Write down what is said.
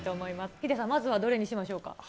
ヒデさん、まずはどれにしましょうか。